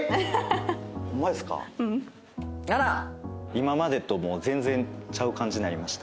今までともう全然ちゃう感じになりました